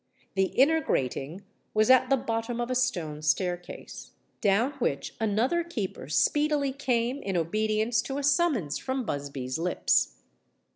The inner grating was at the bottom of a stone staircase, down which another keeper speedily came in obedience to a summons from Busby's lips.